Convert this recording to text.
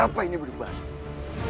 ada apa ini buduk basu